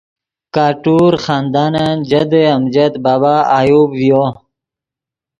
کٹور خاندانن جدِ امجد بابا ایوب ڤیو